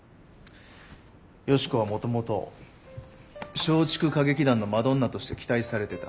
芳子はもともと松竹歌劇団のマドンナとして期待されてた。